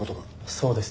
そうですね。